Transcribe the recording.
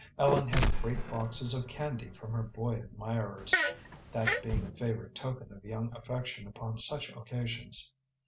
Ellen had great boxes of candy from her boy admirers, that being a favorite token of young affection upon such occasions.